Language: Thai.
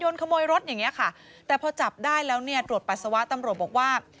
ขโมยรถอย่างเงี้ยค่ะแต่พอจับได้แล้วเนี่ยตรวจปัสสาวะตำรวจบอกว่า